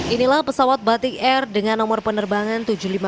inilah pesawat batik air dengan nomor penerbangan tujuh ribu lima ratus